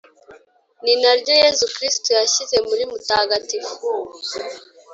ni naryo yezu kristu yashyize muri mutagatifu